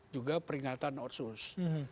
juga peringatan otsus